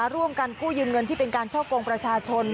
ร่วมกันกู้ยืมเงินที่เป็นการช่อกงประชาชน